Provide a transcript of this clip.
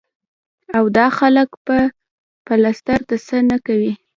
او دا خلک به پلستر د څۀ نه کوي ـ